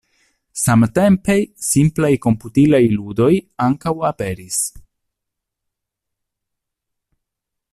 Samtempe, simplaj komputilaj ludoj ankaŭ aperis.